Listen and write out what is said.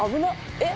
えっ？